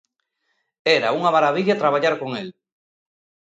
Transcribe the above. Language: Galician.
Era unha marabilla traballar con el.